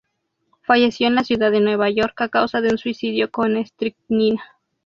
Falleció en la ciudad de Nueva York a causa de un suicidio con estricnina.